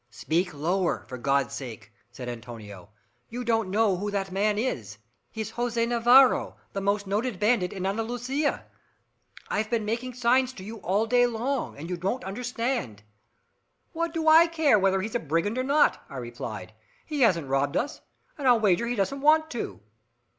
"Speak lower, for God's sake," said Antonio. "You don't know who that man is. He's Jose Navarro, the most noted bandit in Andalusia. I've been making signs to you all day long, and you wouldn't understand." "What do I care whether he's a brigand or not," I replied. "He hasn't robbed us, and I'll wager he doesn't want to."